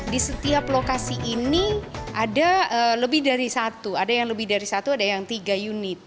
di setiap lokasi ini ada lebih dari satu ada yang lebih dari satu ada yang tiga unit